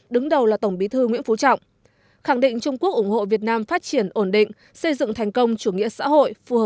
đứng đầu là tổng bí thư nguyễn phú trọng khẳng định trung quốc ủng hộ việt nam phát triển ổn định